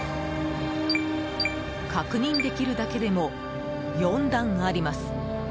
確認できるだけでも４段あります。